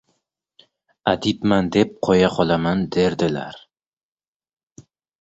Adibman deb qo‘ya qolaman”, derdilar.